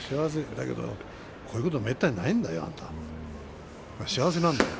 だってこういうことはめったにないんだよ幸せなんだよ。